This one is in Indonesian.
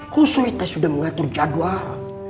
kusuitnya sudah mengatur jadwal